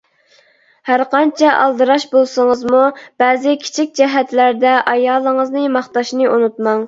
ھەرقانچە ئالدىراش بولسىڭىزمۇ بەزى كىچىك جەھەتلەردە ئايالىڭىزنى ماختاشنى ئۇنتۇماڭ.